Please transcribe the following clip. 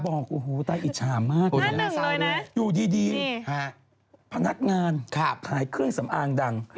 บอกโอ้โหตายอิจฉามากเลยนะอยู่ดีพนักงานขายเครื่องสำอางดัง